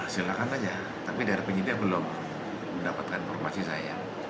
silakan saja tapi dari penyidik belum mendapatkan informasi saya